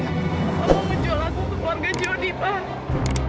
kamu menjual aku ke keluarga jodi pak